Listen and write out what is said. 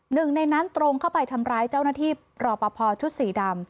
หนึ่งในนั้นตรงเข้าไปทำร้ายเจ้าหน้าที่รอปภชุดสีดำ